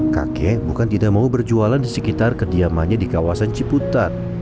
kakek bukan tidak mau berjualan di sekitar kediamannya di kawasan ciputat